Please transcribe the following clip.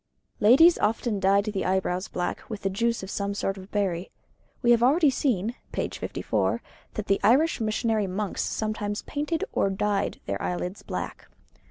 Ladies often dyed the eyebrows black with the juice of some sort of berry. We have already seen (p. 54) that the Irish missionary monks sometimes painted or dyed their eyelids black.